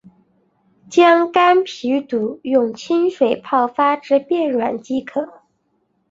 将干皮肚用清水泡发至变软即可。